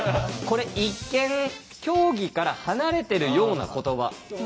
これ一見競技から離れてるような言葉。